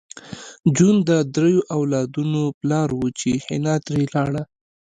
جون د دریو اولادونو پلار و چې حنا ترې لاړه